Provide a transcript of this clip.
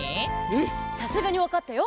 うんさすがにわかったよ！